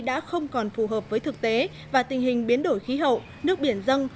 đã không còn phù hợp với thực tế và tình hình biến đổi khí hậu nước biển dân